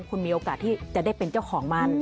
คุณมีโอกาสที่จะได้เป็นเจ้าของมัน